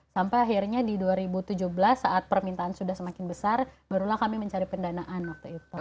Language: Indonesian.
sampai akhirnya di dua ribu tujuh belas saat permintaan sudah semakin besar barulah kami mencari pendanaan waktu itu